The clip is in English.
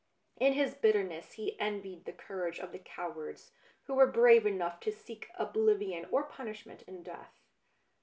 In his bitterness he envied the courage of the cowards who were brave enough to seek oblivion or punishment in death.